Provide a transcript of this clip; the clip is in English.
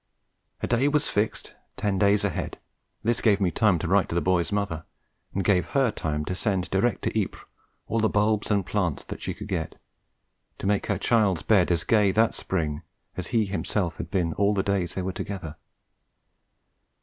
A day was fixed, ten days ahead; this gave me time to write to the boy's mother, and gave her time to send direct to Ypres all the bulbs and plants that she could get, to make her child's bed as gay that spring as he himself had been all the days they were together.